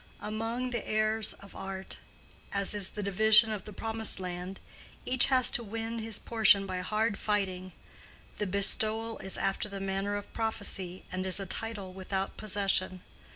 Among the heirs of Art, as is the division of the promised land, each has to win his portion by hard fighting: the bestowal is after the manner of prophecy, and is a title without possession.